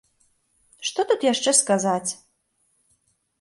Што тут яшчэ сказаць?